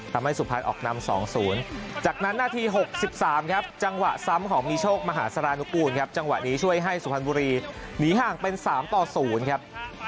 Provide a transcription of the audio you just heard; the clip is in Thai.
ทำให้สุพรรณออกนำ๒๐จากนั้นนาที๖๓ครับจังหวะซ้ำของมีโชคมหาสารนุกูลครับจังหวะนี้ช่วยให้สุพรรณบุรีหนีห่างเป็น๓ต่อ๐ครับ